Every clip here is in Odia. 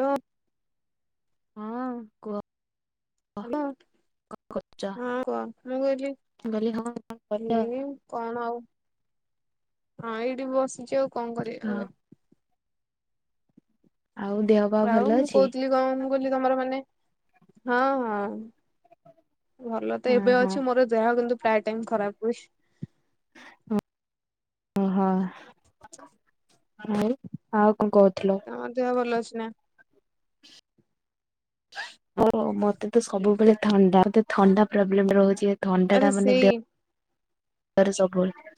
ଲୋ ହଁ କୁହ। ହାଲୋ କଣ କରୁଛ? ହଁ କୁଅ ମୁଁ କଇଲି ମୁଁ କହିଲି ହଁ କଣ କରୁଛ? ଏଇ କଣ ଆଉ ହଁ ଏଇଠି ବସିଚି ଆଉ କଣ କରିବି ହଁ ଏବେ? ଆଉ ଦେହ ପା ଆଉ ଭଲ ମୁଁ ଅଛି? କୋଉଥିଲି କଣ ମୁଁ କିଇଲି ତମର ମାନେ ହଁ ହଁ। ଭଲ ତ ହଁ ଏବେ ହଁ ଅଛି ମୋର ଦେହ କିନ୍ତୁ ପ୍ରାୟ ଟାଇମ ଖରାପ ହୁଏ। ଓ ଓ ହଁ। ଆଉ ଆଉ କଣ କୋଉଥୁଲ? ତମ ଦେହ ଭଲ ଅଛି ନା? ଓ ମତେ ତ ସବୁବେଳେ ଥଣ୍ଡା ମତେ ଥଣ୍ଡା ପ୍ରୋବ୍ଲେମ ରହୁଚି। ଥଣ୍ଡା ଆରେ ଟା ମାନେ ସେଇ ଦେହ ରେ ସବୁବେଳେ।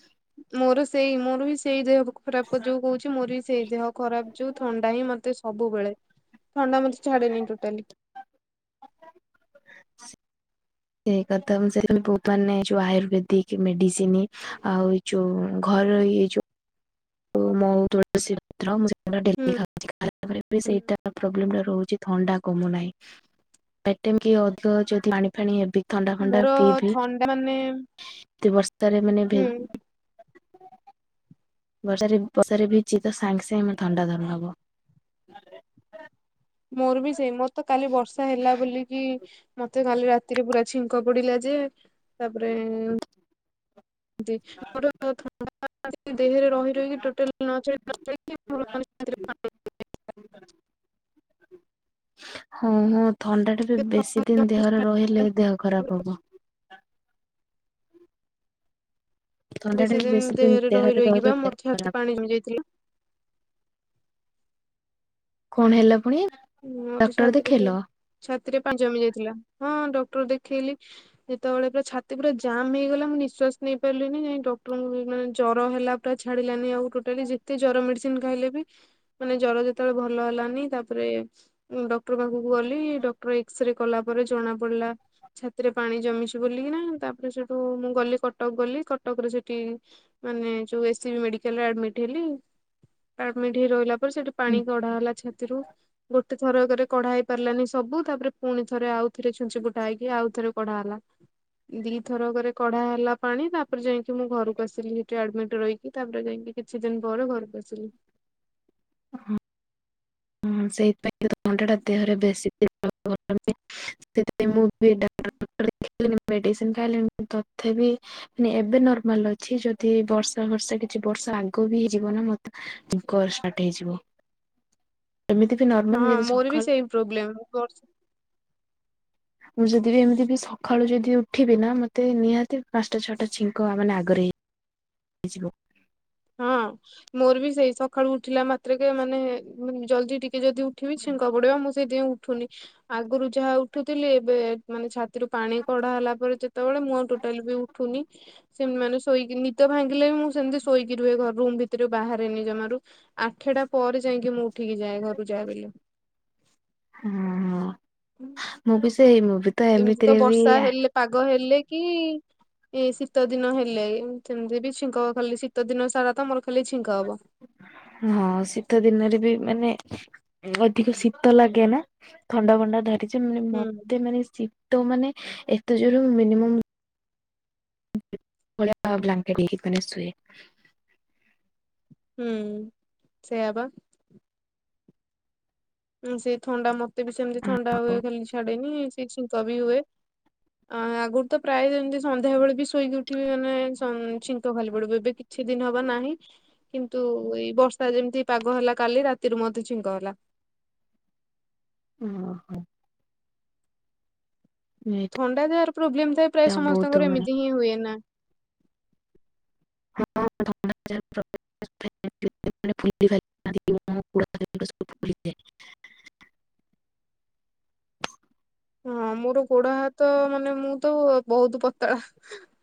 ମୋର ସେଇ ମୋର ବି ସେଇ ଦେହ ଖରାପ ଯୋଉ ହୁଉଚି ମୋର ବି ସେଇ ଦେହ ଖରାପ ଯୋଉ ଥଣ୍ଡା ହିଁ ମତେ ସବୁବେଳେ ଥଣ୍ଡା ମତେ ଛାଡେନି ଟୋଟାଲି। ସେଇ କଥା ମୁଁ ସେଇ [unintelligible] ମାନେ ଯୋଉ ଆୟୁର୍ବେଦିକ ମେଡିସିନ ଆଉ ଏଇ ଯୋଉ ଘର ଇଏ ଯୋଉ ମହୁ ତୁଳସୀ ପତ୍ର ମୁଁ ସେଗୁଡା ହୁଁ ଡେଲି ଖାଉ [unintelligible] ସେଇଟା ପ୍ରୋବ୍ଲେମ ରେ ରହୁଚି ଥଣ୍ଡା କମୁନାହିଁ। ପେ ଟାଇମ୍ କି ଅଧିକ ଯଦି ପାଣି ଫାଣି ହେବି ଥଣ୍ଡା ଫଣ୍ଡା ପିଇବି ତା ମାନେ ଏତେ ବର୍ଷାରେ ମାନେ ଭେ ହୁଁ ବର୍ଷାରେ ବର୍ଷାରେ ଭିଜି ତ ସାଙ୍ଗେ ସାଙ୍ଗେ ମତେ ଥଣ୍ଡା ଧରି ନବ ମୋର ବି ସେଇ ମୋର ତ କାଲି ବର୍ଷା ହେଲା ବୋଲିକି ମତେ କାଲି ରାତିରେ ପୁରା ଛିଙ୍କ ପଡିଲା ଯେ ତାପରେ ଦି [unintelligible] ଥଣ୍ତା [unintelligible] ଦେହରେ ରହି ରହିକି ଟୋଟାଲି ନ [unintelligible] ହଁ ହଁ ଥଣ୍ଡା ଟା ବି ବେଶୀ ଦିନ ଦେହରେ ରହିଲେ ଦେହ ଖରାପ ହବ। ଥଣ୍ଡାଟା ବେଶୀ ବି ଦିନ ଦେହରେ ରହି ରହିକି ରହିଲେ ବା ଦେହ ମୋର ଛାତି ଖରାପ ପାଣି ଜମି ଯାଇଥିଲା। କଣ ହେଲା ପୁଣି? ମୋର ଡକ୍ଟର ଛାତିରେ ଦେଖେଇଲ? ତ ଛାତି ରେ ପାଣି ଜମି ଯାଇଥିଲା ହଁ ଡକ୍ଟର ଦେଖେଇଲି। ଯେତବେଳେ ପୁରା ଛାତି ପୁରା ଜାମ୍ ହେଇଗଲା ମୁଁ ନିଶ୍ଵାସ ନେଇ ପାଇଲିନି ଯାଇ ଡକ୍ଟରଙ୍କୁ ମାନେ ଜର ହେଲା। ଟା ଛାଡିଲାନି ଆଉ ଟୋଟାଲି ଯେତେ ଜର ମେଡିସିନ ଖାଇଲେ ବି ମାନେ ଜର ଯେତବେଳେ ଭଲ ହେଲାନି ତାପରେ ଉଁ ଡକ୍ଟର ପାଖୁକୁ ଗଲି ଡକ୍ଟର ଏକ୍ସରେ କଲା ପରେ ଜଣା ପଡିଲା। ଛାତିରେ ପାଣି ଜମିଛି ବୋଲିକିନା ତାପରେ ସେଠୁ ମୁଁ ଗଲି କଟକ ଗଲି କଟକରେ ସେଠି ମାନେ ଯୋଉ ଏ ସି ବି ମେଡିକାଲରେ ଆଡମିଟ୍ ହେଲି ଆଡମିଟ୍ ହେଇ ରହିଲା ପରେ ସେଇଠି ପାଣି କଢ଼ା ହେଲା ଛାତିରୁ। ଗୋଟେ ଥରକରେ କଢା ହେଇ ପାରିଲାନି ସବୁ ତାପରେ ପୁଣି ଥରେ ଆଉ ଥରେ ଛୁଞ୍ଚି ଫୁଟା ହେଇକି ଆଉ ଥରେ କଢା ହେଲା। ଦିଥର କରେ କଢା ହେଲା ପାଣି ତାପରେ ଯାଇକି ମୁଁ ଘରକୁ ଆସିଲି ସେଠି ଆଡମିଟ ରହି ତାପରେ ଯାଇକି କିଛି ଦିନ ପରେ ଘରକୁ ଆସିଲି। ହଁ ଁ ସେଇଥିପାଇଁ ଅଣ୍ଡେଟା ଦେହରେ ବେଶୀେ [unintelligible] ସେଥିାଇଁ ମୁଁ ବିଡ ମେଡିସିନ ଖାଇଲିଣି ତଥାପି ମ ଏବେ ନର୍ମାଲ ଅଛି ଯଦି ବର୍ଷା ବର୍ଷା କିଛି ବର୍ଷ ଆଗ ବି ହେଇଯିବ ନା ମତେ କର ଷ୍ଟାର୍ଟ ହେଇଯିବ। ଏମିତି ବି ନର୍ମାଲ ହଁ ଯଦି ମୋର ବି ସକାଳୁ ସେଇ ପ୍ରୋବ୍ଲେମ ବର୍ଷେ ମୁଁ ଯଦି ବିି ଏମିତି ବି ସକାଳୁ ଯଦି ଉଠିବି ନା ମତେ ନିହାତି ପାଞ୍ଚଟା ଛଅଟା ଛିଙ୍କ ମାନେ ଆଗରେ ହେଇି ହେଇଯିବ। ହଁ ମୋର ବି ସେଇ ସକାଳୁ ଉଠିଲା ମାତ୍ରକେ ମାନେ ଜଲ୍ଦି ଟିକେ ଯଦି ଉଠିବି ଛିଙ୍କ ପଡିବଁ। ସେଏଡି ପାଁଇ ଉଠୁନି। ଆଗରୁ ଯାହା ଉଠୁଥିଲି ଏବେ ମାନେ ଛାତିରୁ ପାଣି କଡା ହେଲା ପରେ ଯେତେବେଳେ ମୁଁ ଆ ଟୋଟାଲ ବି ଉଠୁନି ସେମିତି ମାନେ ଶୋଇକି ନିଦ ଭାଙ୍ଗିଲେ ବି ମୁଁ ସେମିତି ଶୋଇକି ରୁହେ ରୁମ ଭିତରେ ବାହାରେନି ଜମାରୁ। ଆଠଟା ପରେ ଯାଇକି ମୁଁ ଠିକି ଯାଏ ଘରୁକୁ ଯାଏ ବୋଲି। ଓ ହୋ ମୁଁ ବି ସେଇ ମୁଁ ବି ତ ଏମିତି ଏମିତିରେ ବି ବର୍ଷା ପାଗ ହେଲେ କି ଏଇ ଶୀତ ଦିନ ହେଲେ ସେମିତି ବି ଛିଙ୍କ ହବ ଖାଲି ଶୀତ ଦିନ ସାରା ତ ମୋର ଖାଲି ଛିଙ୍କ ହବ। ହଁ ଶୀତ ଦିନରେ ବି ମାନେ ଅଧିକ ଶୀତ ଲାଗେ ନା ଥଣ୍ଡା ଭଣ୍ଡା ଧରିଛ ମାନେ ହୁଁ ମତେ ମାନେ ଶୀ ତ ମାନେ ଏତେ ଜୋର ହୁଏନି। ବ୍ଲାଙ୍କେଟ ହେ ମ ସୁୁଏ। ହୁଁ ସେଇଆ ବା ସେ ଥଣ୍ଡା ମତେ ବି ସେମିତି ଥଣ୍ଡା ହୁଏ ଖାଲି ଛାଡେନି ସେ ଶୀଙ୍କ ବି ହୁଏ। ଅ ଆଗରୁ ତ ପ୍ରାୟ ଯେମିତି ସନ୍ଧ୍ୟାବେେଳେ ବି ଶୋଇକି ଉଠିବି ମାନେ ଛିଙ୍କ ଖାଲି ପଡିବ। ଏବେ କିଛି ଦିନ ହବା ନାହିଁ। କିନ୍ତୁ ଏଇ ବର୍ଷା ଯେମିତି ପାଗ ହେଲା କାଲି ରାତିରୁ ମଧ୍ୟ ଛିଙ୍କ ହେଲା। ଓହୋ ଏଇଟା ଥଣ୍ଡା ଯାହାର ପ୍ରୋବ୍ଲେମ ଥାଏ ପ୍ରାୟ ବହୁତ ସମସ୍ତଙ୍କର ମାନେ ଏମିତି ହିଁ ହୁଏ ନା [unintelligible] [unintelligible] ହଁ ମୋର ଗୋଡ ହାତ ମାନେ ମୁଁ ତ ବହୁତ ପତଳା।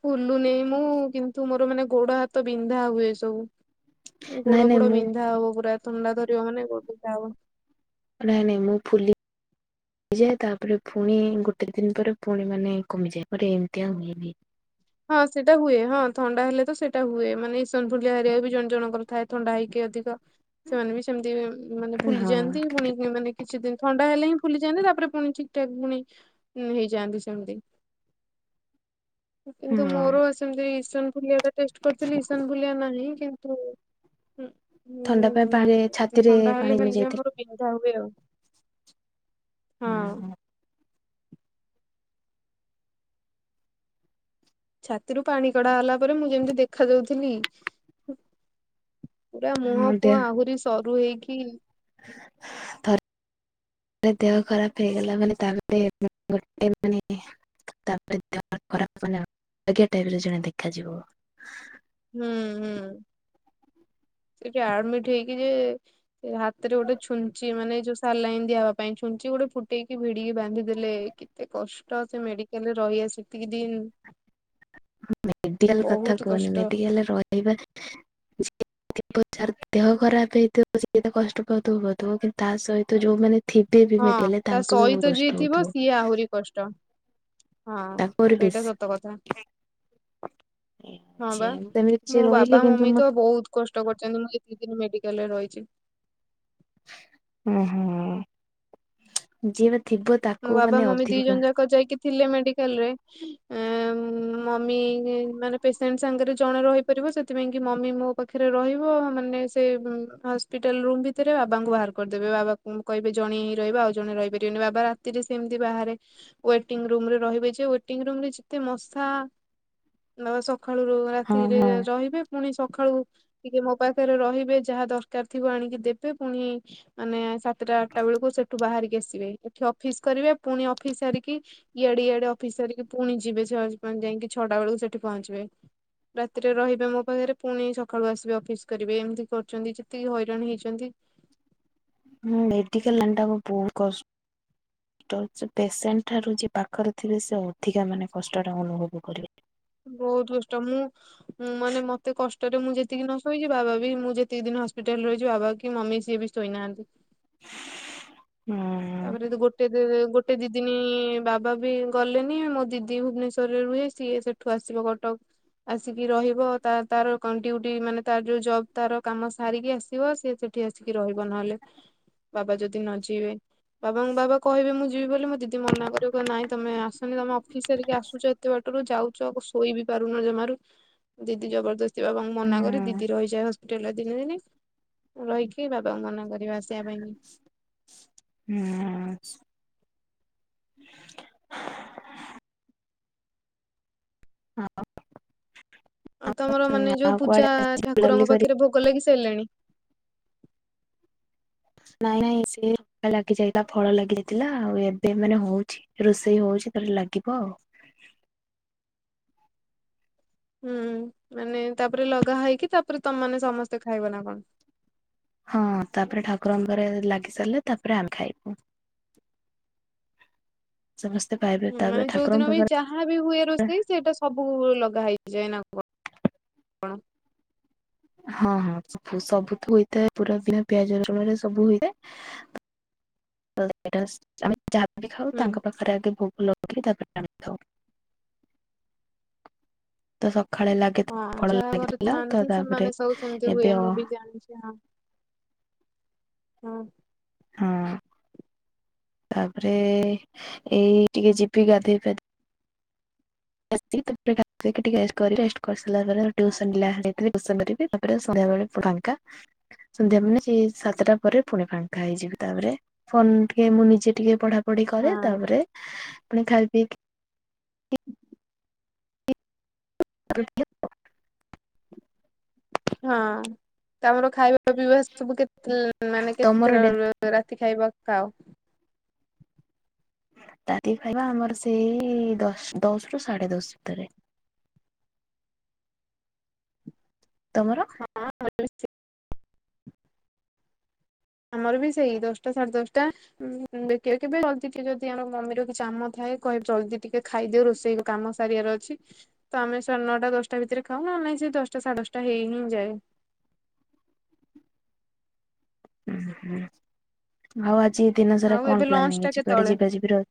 ବୁଲୁନି ମୁଁ କିନ୍ତୁ ମୋର ମାନେ ଗୋଡ ହାତ ବିନ୍ଧା ହୁଏ ସବୁ। ନାଇଁ ଗୋଡ ନାଇଁ ଫୋଡ ମୁଁ ବିନ୍ଧା ହବ ପୁରା ଥଣ୍ଡା ଧରିବ ମାନେ ଗୋଡ ବିନ୍ଧା ହବ। ନାଇଁ ନାଇଁ ମୁଁ ଫୁଲି ହେଯାଏ ତାପରେ ପୁଣି ଗୋଟେ ଦିନ ପରେ ପୁଣି ମାନେ କମିଯାଏ ପରେ ଏମିତିଆଉ ହୁଏନି। ହଁ ସେଇଟା ହୁଏ ହଁ ଥଣ୍ଡା ହେଲେ ତ ସେଇଟା ହୁଏ ମାନେ ଇସନ ଭୁଲିଆ ହାରିବା ବି ଜଣ ଜଣଙ୍କର ଥାଏ ଥଣ୍ଡା ହେଇକି ଅଧିକ ସେମାନେ ବି ସେମିତି ମାନେ ହଁ ଫୁଲିଯାଆନ୍ତି ପୁଣି ମାନେ କିଛି ଦିନ ଥଣ୍ଡା ହେଲେ ହିଁ ଫୁଲିଯାଆନ୍ତି ତାପରେ ପୁଣି ଠିକ ଠାକ ପୁଣି ହେଇଯାଆନ୍ତି ସେମିତି। କିନ୍ତୁ ହଁ। ମୋର ସେତି ଇସାନ ବୁଲିଆ ଟେଷ୍ଟ କରିଥିଲ ଇସାନ ବୁଲିଆ ନାହିଁ କିନ୍ତୁ ହୁଁ ଥଣ୍ଡା ପାଇଁ ନା ପାଣିରେ ଏମ ଛାତିରେ ଥଣ୍ଡା ପାଣି ହେଲେ ଜମି ଖାଲି ଯ ଯାଇଥିଲା। ଆମର ବିନ୍ଧା ହୁଏ ଆଉ। ହଁ ଛାତିରୁ ପାଣି କଡା ହେଲା ପରେ ମୁଁ ଯେମିତି ଦେଖା ଯାଉଥିଲି ପୁରା ମୁହଁ ହଁ ଫୁହ ଆହୁରି ସରୁ ହେଇକି ଥର। ମୋର ଦେହ ଖରାପ ହେଇଗଲା ମାନେ ତାପରେ ଗୋଟ ଗୋଟେ ମାନେ ତାପରେ ଖରାପ ମାନେ ଆଜ୍ଞା ଟେରେ ରିଜମ୍ ଦେଖାଯିବ। ହୁଁ ହୁଁ ସେ ଆ ଆଡମିଟ ହେଇକି ଯେ ସେ ହାତ ରେ ଗୋଟେ ଛୁଞ୍ଚି ମାନେ ଯୋଉ ସାଲାଇନ୍ ଦିଆହବ ପାଇଁ ଛୁଞ୍ଚି ଗୋଟେ ଫୁଟେଇକି ଭିଡିକି ବାନ୍ଧି ଦେଲେ। ଏତେ କଷ୍ଟ ସେ ମେଡିକାଲରେ ରହିଆସକି ଦିନ୍‌ ମେଡିକାଲ କଥା କୁହନି କଷ୍ଟ ମେଡିକାଲରେ ରହିବା ତାର ଦେହ ଖରାପ ହେଇଥିବ ସେତ କଷ୍ଟ ପାଉଥିବ ପାଉଥିବ କିନ୍ତୁ ତା ସହିତ ଯୋଉମାନେ ଥିବେ ବି ହଁ ମିେଡ କାଲେ ତା ତାଙ୍କୁ ବି ବହୁ ସହିତ ଯିଏ କଷ୍ଟ ଥିବ ହଉଥିବ। ସିଏ ଆହୁରି କଷ୍ଟ ହଁ ତାଙ୍କୁ ଆହୁରି ସେଇଟା ବେଶୀ ସତ କଥା। ଏଇଆ ହଁ ହଉଛି ବା ସେମିତି କିଛି ମୋ ରହିଲି ବାବା କିନ୍ତୁ ମମି ମୋ ତ ବହୁତ୍ କଷ୍ଟ କରିଛନ୍ତି ମୁଁ ଏତେ ଦିନି ମେଡିକାଲ ରେ ରହିଛି। ଉଁ ହୁଁ ଯିଏ ବି ଥିବ ତାକୁ ମୋ ବାବା ମାନେ ମମି ଦି ଅଧିକ ଜଣ ଯାକ ଯାଇକି ଥିଲେ ମେଡିକାଲ ରେ। ଏଁ ମମି ମାନେ ପେସେଣ୍ଟ ସାଙ୍ଗରେ ଜଣେ ରହିପାରିବ ସେଥିପାଇଁ କି ମମି ମୋ ପାଖରେ ରହିବ ମାନେ ସେ ହସ୍ପିଟାଲ ରୁମ୍ ଭିତରେ ବାବାଙ୍କୁ ବାହାର କରିଦେବେ ବାବା ମୁଁ କହିବି ଜଣେ ହିଁ ରହିବ ଆଉ ଜଣେ ରହିପାରିବେନି ବାବା କେ ଯେ ସେମତି ବାହାରେ ୱଟିଙ୍ଗ୍ ରୁମ୍ ରେ ରହିବେ ଯେ ୱଟିଙ୍ଗ୍ ରୁମ୍ ରେ ଯେତେ ମଷା। ନଅ ସଖାଳୁ ରୁ ହଁ ରାତିରେ ହଁ। ରହିବେ ପୁଣି ସକାଳୁ ଟିକେ ମୋ ପାଖରେ ରହିବେ ଯାହା ଦରକାର ଥିବ ଆଣିକି ଦେବେ ପୁଣି ମାନେ ସାତ ସତାଟା ଆଠଟା ବେଳକୁ ସେଠୁ ବାହାରିକି ଆସିବେ ଏଠି ଅଫିସ କରିବେ ପୁଣି ଅଫିସ ସାରିକି ଇଆଡେ ଇଆଡେ ଅଫିସ ସାରିକି ପୁଣି ଯିବେ ଯାଇ ଯାଇଁକି ଛଟା ବେଳକୁ ସେଠି ପହଞ୍ଚିବେ। ରାତିରେ ରହିବେ ମୋ ପାଖରେ ପୁଣି ସଖାଳୁ ଆସିବେ ଅଫିସ କରିବେ ଏମିତି କରୁଚନ୍ତି ଯେତିକି ହଇରାଣ ହେଇଚନ୍ତି। ହୁଁ ମେଡିକାଲ ଲାନ୍‌ ଟା ବହୁତ୍ କସ୍‌। ଟ ସେ ପେସେଣ୍ଟ ଠାରୁ ଯିଏ ପାଖରେ ଥିବେ ସେ ଅଧିକା ମାନେ କଷ୍ଟଟା ଅନୁଭବ କରିବେ। ବହୁତ୍ କଷ୍ଟ ମୁଁ ମୁଁ ମାନେ ମତେ କଷ୍ଟରେ ମୁଁ ଯେତିକି ନ ଶୋଇଛି ବାବା ବି ମୁଁ ଯେତିକି ଦିନ ହସ୍ପିଟାଲରେ ରହିଛି ବାବା କି ମମି ସିଏ ବି ଶୋଇ ନାହାନ୍ତି। ହୁଁ। ତାପରେ ଦୋ ଗୋଟେ ଦେ ଦେ ଗୋଟେ ଦିଦିନୀ ବାବା ବି ଗଲେନି ମୋ ଦିଦି ଭୁବନେଶ୍ଵରରେ ରୁହେ ସିଏ ସେ ଠୁ ଆସିବ କଟକ। ଆସିକି ରହିବ ତା ତାର କଣ ଡିୟୁଟି ମାନେ ତାର ଯୋଉ ଜବ୍ ତାର କାମ ସାରିକି ଆସିବ ସେ ଯେ ଏଠି ଆସିକି ରହିବ ନହେଲେ ବାବା ଯଦି ନ ଯିବେ। ବାବା ମମି ବାବା କିହିବେ ମୁଁ ଯିବି ବୋଲି ମୋ ଦିଦି ମନା କରିବ କହିବ ନାଇଁ ତମେ ଆସନି ତମ ଅଫିସ ସାରିକି ଆସୁଛ ଏ ଏତେ ବାଟରୁ ଯାଉଛ ଓ ଶୋଇ ବିି ପାରୁନ ଜମାରୁ ଦିଦି ଜବରଦସ୍ତି ସେ ବାବାଙ୍କୁ ହୁଁ ମନା କରି ଦିଦି ରହିଯାଏ ହ ହୋଟେଲର ତିନି ଦିନି ରହିକି ବାବାଙ୍କୁ ମନା କରିବ ଆସିବା ପାଇଁ। ହୁଁ। ହଁ। ଆଉ ତମର ମାନେ ଯୋଉ ପୂଜା ବୁଲାବୁଲି ଠାକୁରଙ୍କ କରି ପାଖରେ ଭୋଗ ଲାଗି ସାରିଲାଣି? ନାଇଁ ନାଇଁ ସେ ଲାଗି ଯାଇଥିଲା ଫଳ ଲାଗିଯାଇଥିଲା ଆଉ ଏବେ ମାନେ ହଉଛି ରୋଷେଇ ହଉଛି ଖାଲି ଲାଗିବ। ହୁଁ ମାନେ ତାପରେ ଲଗା ହେଇକି ତାପରେ ତମ ମାନେ ସମସ୍ତେ ଖାଇବ ନା କଣ? ହଁ ତାପରେ ଠାକୁରଙ୍କରେ ଲାଗି ସାରିଲେ ତାପରେ ଆମେ ଖାଇବୁ। [inaudible] ସମସ୍ତେ ପାଏ ହୁଁ ମାନେ ଯୋଉଦିନ ବି ଯା ହା ବି ହୁଏ ରୋଷେଇ ସେଇଟା ସବୁ ଲଗା ହେଇଯାଏ ନା କ କଣ। ହଁ ହଁ ସପୁ ସବୁଥୁ ହେଇଥାଏ ପୁରା ଦିନ ପିଆଜ ରସୁଣରେ ସବୁ ହୋଇଏ। ତ ଏଟାସ୍ ଆମେ ଯାହା ବି ଖାଉ ହୁଁ ତାଙ୍କ ପାଖରେ ଆଗେ ଭୋଗ ଲଗେଇକି ତାପରେ ଆମେ ଖାଉ। ତ ସଖାଳେ ଲା ହଁ ଯାହା ଘରେ ଥାଆନ୍ତି ସେମାନେ ସବୁ ସେମିତି ଏବେ ହୁଏ ଅ ମୁଁ ବି ଜାଣିଚି ହଁ। ହଁ। ହଁ ତାପରେ ଏଇ ଟିକେ ଯିବି ଗାଧେଇ ପା ଆସିକି ତାପରେ ଭା ଖାଇକି ଟି ଏସ୍ କରି ରେଷ୍ଟ କରି ସାଇଲା ପରେ ହେଟୁ ଟିଉସନ୍ ଲା ହେଡି଼କି ଟିଉସନ୍ ବେଟିକି ତାପରେ ସନ୍ଧ୍ୟା ବେଳେ ପୁ ଖାଏ। କା ସନ୍ଧ୍ୟା ମାନେ ସେଇ ସାତଟା ପରେ ଫୁଣି ଫାଙ୍କା ହେଇଯିବି ତାପରେ ଫୋନ୍ ଟିକେ ମୁଁ ନିଜେ ଟିକେ ପଢ଼ାପଢ଼ି କରେ ହଁ ତାପରେ ପୁଣି ଖାଇ ଦେଇକି ତାପରେ ଟିକେ ହଁ ତାପରେ ଖାଇବା ପିଇବା ସବୁ କେତେ ମାନେ ତମର ଡେ କେତେଟାର ରାତି ଖାଇବା ଖାଅ। ରାତି ଖାଇବା ଆମର ସେଇ ଦଶ ଦଶରୁ ସାଢ଼େ ଦଶ ଇତରେ। ତମର? ହଁ ଆମର ବି ସେଇ। ଆମର ବି ସେଇ ଦଶଟା ସାଢ଼େ ଦଶଟା। ଉଁ ନା କେ କେବେ ଜଲଦି ଟିକେ ଯଦି ଆମ ମମିର କି କାମ ଥାଏ କହେ ଜଲଦି ଟିକେ ଖାଇଦିଅ ରୋଷେଇ ଗ କାମ ସାରିବାର ଅଛି। ତ ଆମେ ସାଢ଼େ ନଅଟା ଦଶଟା ଭିତରେ ଖାଉ ନ ହେ ନାଇଁ ସେଇ ଦଶଟା ସାଢ଼େ ଦଶଟା ହେଇ ହିଁ ଯାଏ। ଉଁ ହୁଁ ହଁ ଆଜି ଏ ଦିନ ସାରା ଆଉ ଏବେ କଣ ଲଞ୍ଚ ପ୍ଲାନିଂ ଟା ଅଛି କୁଆଡ଼େ କେତେବେଳେ ଯିବା ଯିବିର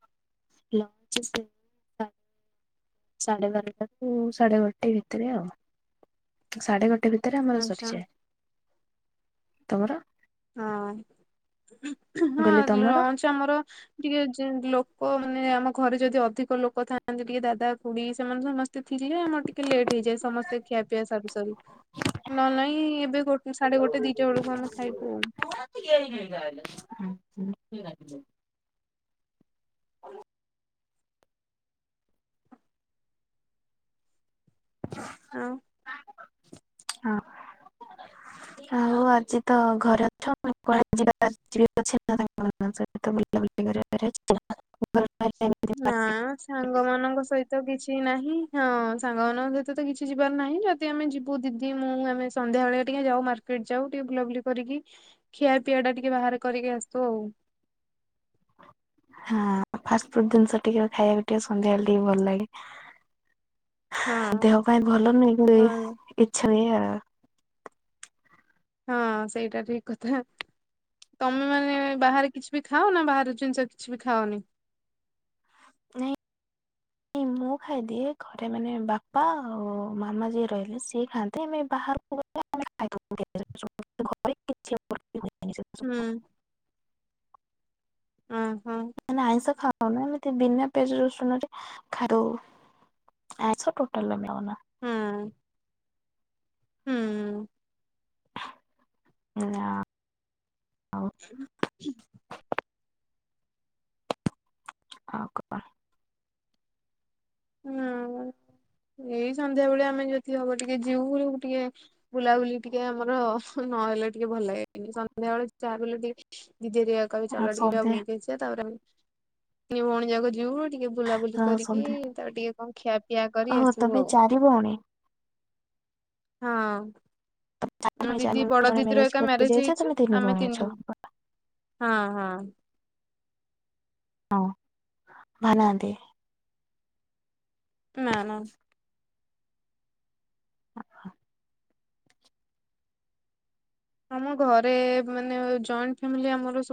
[inaudible] ଲଞ୍ଚ୍ ସେଣେ ତା ସାଢ଼େ ବାରଟାରୁ ସାଢ଼େ ଗୋଟେ ଭିତରେ ଆଉ ସାଢ଼େ ଗୋଟେ ଭି ଭିତରେ ତରେ ଆମର ଆଚ୍ଛା ସରିଯାଏ। ତମର? ହଁ ଗଲି ହଁ ତମର? ଲଞ୍ଚ୍ ଆମର ଟିକେ ଜ୍ ଲୋକ ମାନେ ଆମ ଘରେ ଯଦି ଅଧିକ ଲୋକ ଥାଆନ୍ତି ଟିକେ ଦାଦା, ଖୁଡ଼ି ସେମାନେ ସମସ୍ ତେ ଥିଲେ ଆମର ଟିକେ ଲେଟ୍ ହେଇଯାଏ ସମସ୍ତେ ଖିଆ ପିଇଆ ସାରୁ ସାରୁ। ନହେଲେ ନାଇଁ ଏବେ ଗୋ ସାଢ଼େ ଗୋଟେ ଦିଟା ବେଳୁକୁ ଆମେ ଖାଇ [inaudible] [inaudible] [inaudible] ଆଉ? ହଁ। ଆଉ ଆଜି ତ ଘରେ ଅଛ ନା କୁଆଡ଼େ ଯିବାର ଯିବା ଅଛି ପ୍ଲାନିଂ କଣ? ନାଁ ସହିତ ବୁଲାବୁଲି କରିବା [unintelligible] [unintelligible] ନାଁ ସାଙ୍ଗମାନଙ୍କ ସହିତ କିଛି ନାହିଁ ହଁ ସାଙ୍ଗମାନଙ୍କ ସହିତ ତ କିଛି ଯିବାର ନାହିଁ ଜ ଦି ଆମେ ଯିବୁ ଦିଦି ମୁଁ ଆମେ ସନ୍ଧ୍ୟା ଅଳେ ଟିକେ ଯାଉ ମାର୍କେଟ୍ ଯାଉ ଟିକେ ବୁଲାବୁଲି କରିକି ଖିଆ ପିଇଆଟା ଟିକେ ବାହାରେ କରିକି ଆସୁ ଆଉ। ହଁ ଫାଷ୍ଟ୍ ଫୁଡ୍ ଦିନିଷ ଟିକେ ଖାଇବାକୁ ଟିକେ ସନ୍ଧ୍ୟା ଏଳେ ଟିକେ ଭଲ ଲାଗେ। ହଁ ଦେହ ପାଇଁ ଭଲ ନୁହେଁ କିନ୍ତୁ ହଁ ଇଚ୍ଛା ହୁଏ ଆ। ହଁ ସେଇଟା ଠିକ୍ କଥା। ତମେ ମାନେ ବାହାରେ କିଛି ବି ଖାଅନା ବାହାର ଜିନିଷ କିଛି ବି ଖାଅନି। ନାଇଁ ମୁଁ ଖାଇଦିଏ ଘରେ ମାନେ ବାପା ଆଉ ମାମା ଯିଏ ରହିଲେ ସିଏ ଖାଆନ୍ତିନି ଆମେ ବାହାର [inaudible] ହୁଁ। ଅଁ ହଁ। ମାନେ ଆଇଁଷ ଖାଉନା ଏମିତି ବିନା ପିଆଜ ରସୁଣରେ ଖାଇଦଉ। ଆଇଁଷ ଆମେ ଟୋଟାଲ ଆଉ ଖାଉନା? ହୁଁ। ହୁଁ। [unintelligible] [inaudible] ଆଉ କଣ? ହୁଁ ଏଇ ସନ୍ଧ୍ୟା ବେଳେ ଆମେ ଯଦି ହବ ଟିକେ ଯିବୁ ବୁଲି ଟିକେ ବୁଲାବୁଲି ଟିକେ ଆମର ନହେଲେ ଟିକେ ଭଲ ଲାଗେନି ସନ୍ଧ୍ୟାବେଳେ ଯାହାବି ହେଲେ ଟିକେ ଦିଦି ହରିକା କହିବେ ଆଉ ଚାଲ ଟିକେ ଯିବା ସନ୍ଧ୍ୟା ବୁଲିକି ଆସିବା ତାପରେ ଆମେ ତିନିଭଉଣୀ ଯାକ ଯିବୁ ଟିକେ ବୁଲାବୁଲି ହଁ କରିକି ସନ୍ଧ୍ୟା ତାପର ଟିକେ କଣ ଖିଆପିଆ କରି ଓହୋ ଆସିବୁ ତମେ ଆଉ। ଚାରି ଭଉଣୀ ହଁ। ଚାରି ଭଉଣୀ ଚାରି ଦିଦି ଭଉଣୀରୁ ବଡ ଜଣେ ଦିଦିର ଏକା କରି ମ୍ୟାରେଜ ଯାଇଛ ହେଇଚି ତମେ ଆମେ ଭଉଣୀ ଅଛ ତିନି ହଁ ହଁ ହଁ। ହଁ [inaudible] ନାହାନ୍ତି। ନା ନା। ଆମ ଘରେ ମାନେ ଜଏଣ୍ଟ ଫ୍ୟାମିଲି ଆମର ସବୁ